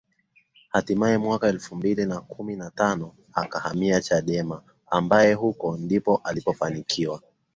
Hatimaye mwaka elfu mbili na kumi na tano akahamia Chadema ambaye huko ndipo alipofanikiwa